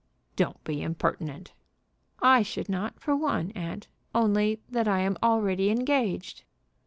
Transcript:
"Don't be impertinent." "I should not, for one, aunt; only that I am already engaged."